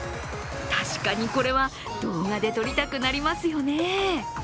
確かにこれは、動画で撮りたくなりますよね。